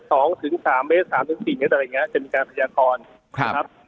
สองถึงสามเมตรสามถึงสี่เมตรอะไรอย่างเงี้ยจะมีการพยากรครับ